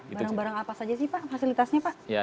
barang barang apa saja sih pak fasilitasnya pak